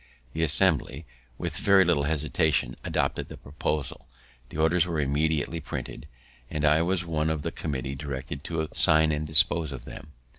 The Assembly, with very little hesitation, adopted the proposal. The orders were immediately printed, and I was one of the committee directed to sign and dispose of them.